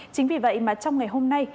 chính vì vậy mà trong ngày hôm nay